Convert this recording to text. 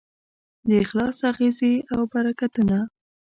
د اخلاص اغېزې او برکتونه